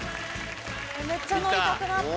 めっちゃ乗りたくなった。